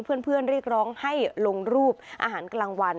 เรียกร้องให้ลงรูปอาหารกลางวัน